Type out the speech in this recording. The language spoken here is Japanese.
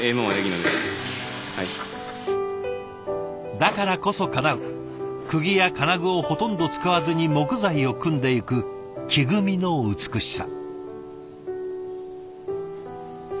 だからこそかなうくぎや金具をほとんど使わずに木材を組んでいく木組みの美しさ。